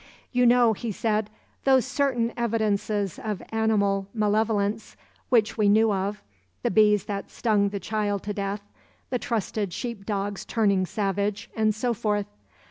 "You know," he said, "those certain evidences of animal malevolence which we knew of, the bees that stung the child to death, the trusted sheepdog's turning savage, and so forth.